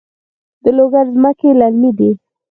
د لوګر ځمکې للمي دي